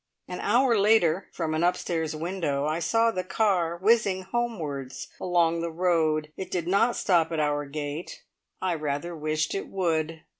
An hour later, from an upstairs window, I saw the car whizzing homewards along the road. It did not stop at our gate. I rather wished it would.